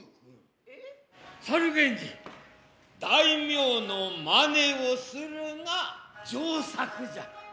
猿源氏大名の眞似をするが上策じゃ。